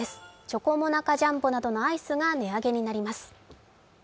チョコモナカジャンボなどのアイスが値上げになります。